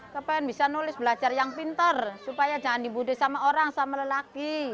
kepengen bisa nulis belajar yang pintar supaya jangan dibude sama orang sama lelaki